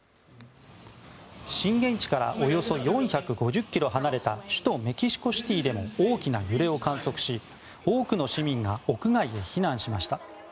震源地からおよそ４５０ｋｍ離れた首都メキシコシティでも大きな揺れを観測し多くの市民が屋外へ避難しました。